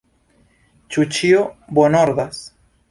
Ĉu ĉio bonordas?